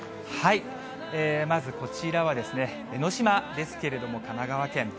まずこちらは、江の島ですけれども、神奈川県。